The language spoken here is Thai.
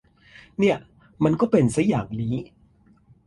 เนี่ย มันก็เป็นซะอย่างนี้